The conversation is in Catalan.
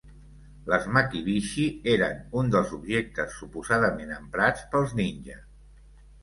Les "Makibishi" eren un dels objectes suposadament emprats pels ninja.